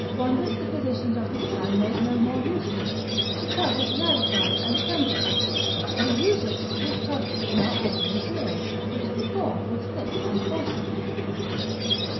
wonders the physicians of his time made no more use of it, because it rarefies and cleanseth: we use it to this purpose in our ordinary beer, which before was thick and fulsome.